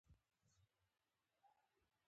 برټانوي استعمار له وچې سرزورۍ څخه کار واخیست.